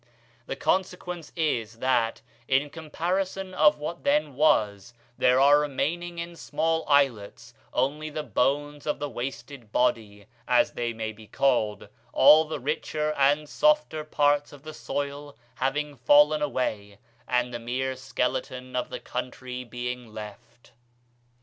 The consequence is that, in comparison of what then was, there are remaining in small islets only the bones of the wasted body, as they may be called, all the richer and softer parts of the soil having fallen away, and the mere skeleton of the country being left....